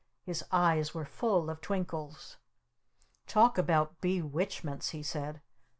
His eyes were full of twinkles. "Talk about Be Witchments!" he said.